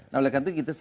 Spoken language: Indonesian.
nah oleh karena itu kita